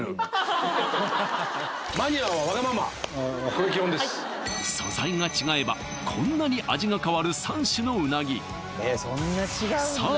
はい素材が違えばこんなに味が変わる３種のうなぎさあ